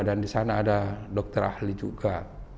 dan di sana ada dokter ahli juga